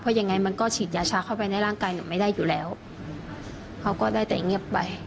เพราะยังไงมันก็ฉีดยาชาเข้าไปในร่างกายหนูไม่ได้อยู่แล้วเขาก็ได้แต่เงียบไป